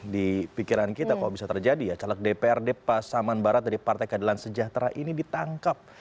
di pikiran kita kok bisa terjadi ya caleg dprd pasaman barat dari partai keadilan sejahtera ini ditangkap